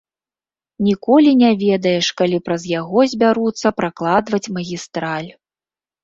Ніколі не ведаеш, калі праз яго збяруцца пракладваць магістраль.